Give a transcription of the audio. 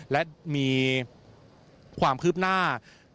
และมีความคืบหน้า